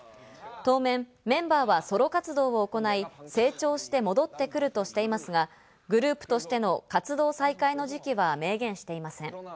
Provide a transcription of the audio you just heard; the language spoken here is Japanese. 当面、メンバーはソロ活動を行い、成長して戻ってくるとしていますが、グループとしての活動再開の時期は明言していません。